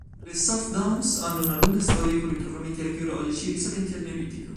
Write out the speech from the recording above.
Le South Downs hanno una lunga storia con ritrovamenti archeologici risalenti al Neolitico.